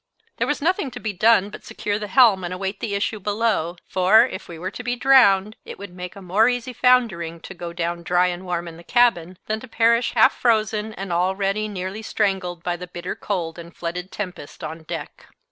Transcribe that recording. There was nothing to be done but secure the helm and await the issue below, for, if we were to be drowned, it would make a more easy foundering to go down dry and warm in the cabin, than to perish half frozen and already nearly strangled by the bitter cold and flooded tempest on deck.